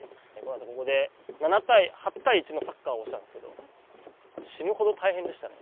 ここで８対１のサッカーをしたんですけど死ぬほど大変でしたね。